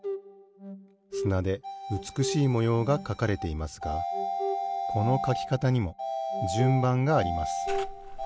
すなでうつくしいもようがかかれていますがこのかきかたにもじゅんばんがあります。